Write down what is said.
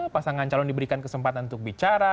pasangan calon diberikan kesempatan untuk bicara